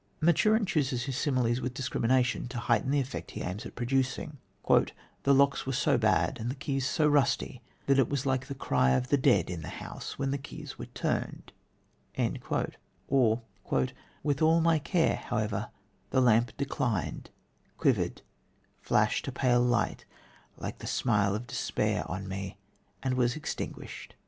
Maturin chooses his similes with discrimination, to heighten the effect he aims at producing: "The locks were so bad and the keys so rusty that it was like the cry of the dead in the house when the keys were turned," or: "With all my care, however, the lamp declined, quivered, flashed a pale light, like the smile of despair, on me, and was extinguished